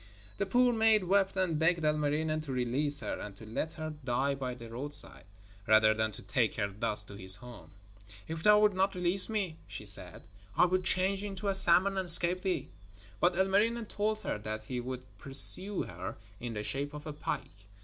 The poor maid wept and begged Ilmarinen to release her and to let her die by the roadside, rather than to take her thus to his home. 'If thou wilt not release me,' she said, 'I will change into a salmon and escape thee.' But Ilmarinen told her that he would pursue her in the shape of a pike.